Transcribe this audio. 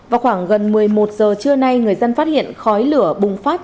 vào khoảng gần một mươi một giờ trưa nay người dân phát hiện khói lửa bùng phát